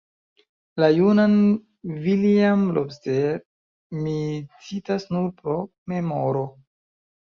La junan Villiam Lobster mi citas nur pro memoro.